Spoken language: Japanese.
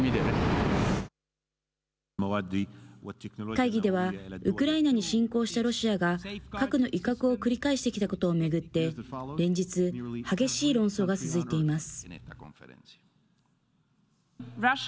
会議では、ウクライナに侵攻したロシアが核の威嚇を繰り返してきたことを巡って、連日、激しい論争が続いています。